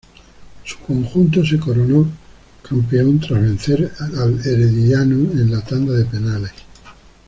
Su conjunto se coronó campeón tras vencer al Herediano en la tanda de penales.